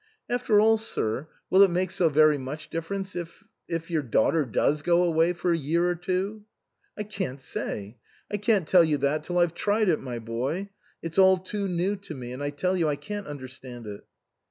"After all, sir, will it make so very much difference if if your daughter does go away for a year or two ?" "I can't say. I can't tell you that till I've tried it, my boy. It's all too new to me, and I tell you I can't understand it."